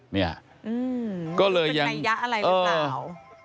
มันเป็นไกยะอะไรรึเปล่า